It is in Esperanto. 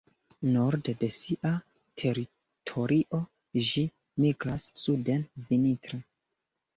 Norde de sia teritorio ĝi migras suden vintre.